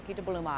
kita belum ada